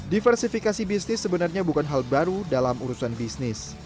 diversifikasi bisnis sebenarnya bukan hal baru dalam urusan bisnis